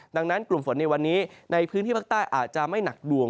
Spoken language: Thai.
ดังนั้นกลุ่มฝนในวันนี้ในพื้นที่ภาคใต้อาจจะไม่หนักดวง